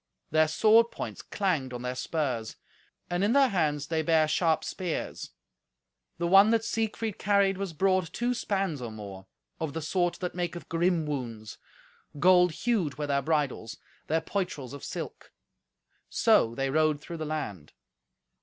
Their sword points clanged on their spurs, and in their hands they bare sharp spears; the one that Siegfried carried was broad two spans or more, of the sort that maketh grim wounds. Gold hued were their bridles, their poitrels of silk; so they rode through the land.